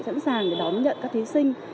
sẵn sàng để đón nhận các thí sinh